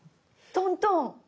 トントン。